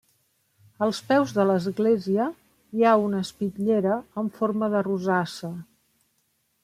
Als peus de l'església hi ha una espitllera en forma de rosassa.